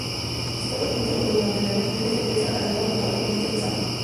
Está documentado que durante la Edad Media esta iglesia albergaba numerosas reliquias de santos.